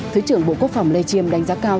thứ trưởng bộ quốc phòng lê chiêm đánh giá cao